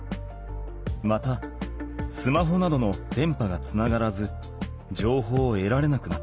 またスマホなどの電波がつながらずじょうほうをえられなくなってきた。